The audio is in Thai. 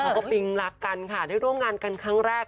ปิงรักกันค่ะได้ร่วมงานกันครั้งแรก